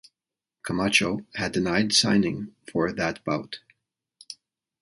Camacho had denied signing for that bout.